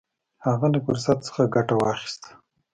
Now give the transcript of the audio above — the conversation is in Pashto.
هغه له فرصت څخه ګټه واخیسته.